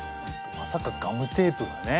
まさかガムテープがね。